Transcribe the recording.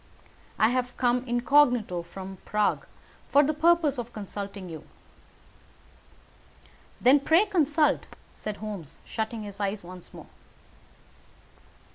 I have come incognito from Prague for the purpose of consulting you." "Then, pray consult," said Holmes, shutting his eyes once more.